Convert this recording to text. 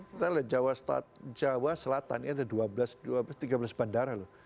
kita lihat jawa selatan ini ada tiga belas bandara loh